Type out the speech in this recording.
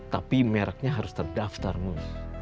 tapi merknya harus terdaftar mus